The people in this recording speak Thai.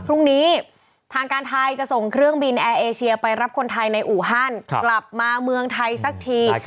พรุ่งนี้ทางการไทยจะส่งเครื่องบินแอร์เอเชียไปรับคนไทยในอู่ฮันกลับมาเมืองไทยสักที